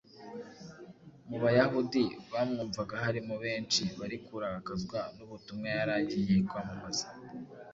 Mu Bayahudi bamwumvaga harimo benshi bari kurakazwa n’ubutumwa yari agiye kwamamaza.